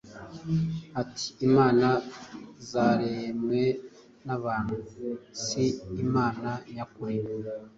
ati: ‘ imana zaremwe n’abantu si imana nyakuri.’